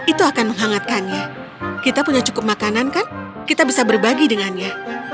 itu akan menghangatkannya kita punya cukup makanan kan kita bisa berbagi dengannya